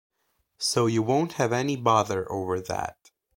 So you won’t have any bother over that.